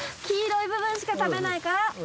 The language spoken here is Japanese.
黄色い部分しか食べないから。